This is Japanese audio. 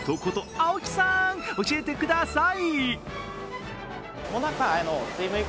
青木さん、教えてください。